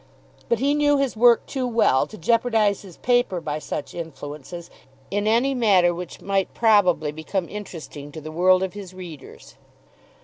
But he knew his work too well to jeopardize his paper by such influences in any matter which might probably become interesting to the world of his readers.